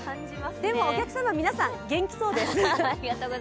でもお客さんは皆さん元気そうです。